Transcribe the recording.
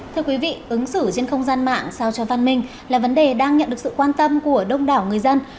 thưa quý vị ứng xử trên không gian mạng sao cho văn minh là vấn đề đang nhận được sự quan tâm của đông đảo người dân